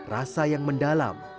rasa yang mendalam